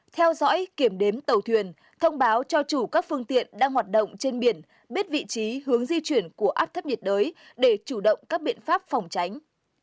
theo dõi kiểm đếm tàu thuyền thông báo cho chủ các phương tiện đang hoạt động trên biển biết vị trí hướng di chuyển của áp thấp nhiệt đới để chủ động các biện pháp phòng tránh